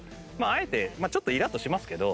あえてちょっとイラッとしますけど。